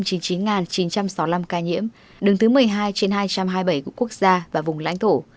việt nam có một mươi triệu sáu trăm chín mươi chín chín trăm sáu mươi năm ca nhiễm đứng thứ một mươi hai trên hai trăm hai mươi bảy quốc gia và vùng lãnh thổ